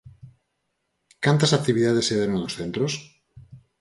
¿Cantas actividades se deron nos centros?